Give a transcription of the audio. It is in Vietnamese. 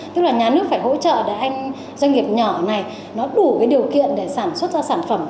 tức là nhà nước phải hỗ trợ để anh doanh nghiệp nhỏ này nó đủ cái điều kiện để sản xuất ra sản phẩm